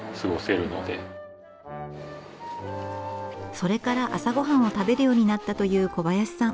それから朝ごはんを食べるようになったという小林さん。